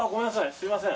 すみません。